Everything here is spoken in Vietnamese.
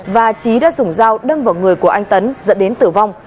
và trí đã dùng dao đâm vào người của anh tấn dẫn đến tử vong